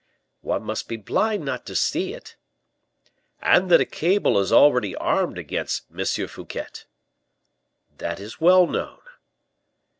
"One must be blind not to see it." "And that a cabal is already armed against M. Fouquet?" "That is well known."